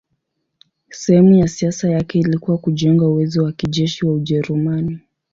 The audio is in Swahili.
Sehemu ya siasa yake ilikuwa kujenga uwezo wa kijeshi wa Ujerumani.